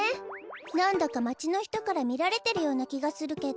なんだかまちのひとからみられてるようなきがするけど。